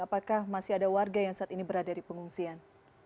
apakah masih ada warga yang saat ini berada di pengungsian